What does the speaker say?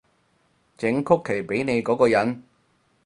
整曲奇畀你嗰個人